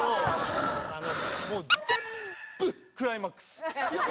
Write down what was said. もう全部クライマックス！